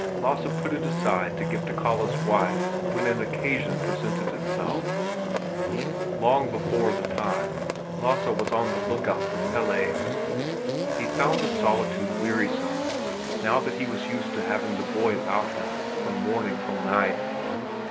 Lasse put it aside to give to Kalle's wife, when an occasion presented itself. Long before the time, Lasse was on the lookout for Pelle. He found the solitude wearisome, now that he was used to having the boy about him from morning till night.